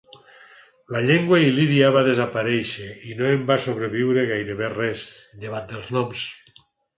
La llengua il·líria va desaparèixer i no en va sobreviure gairebé res, llevat dels noms.